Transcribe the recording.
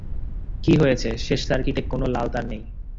কি হয়েছে, শেষ সার্কিটে কোনও লাল তার নেই।